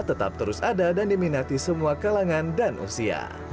tetap terus ada dan diminati semua kalangan dan usia